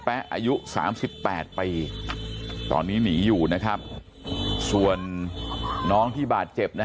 อายุ๓๘ปีตอนนี้หนีอยู่นะครับส่วนน้องที่บาดเจ็บนะ